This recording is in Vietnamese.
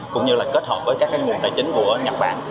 cũng như là kết hợp với các nguồn tài chính của nhật bản